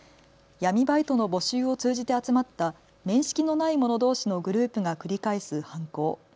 闇バイトの募集を通じて集まった面識のない者どうしのグループが繰り返す犯行。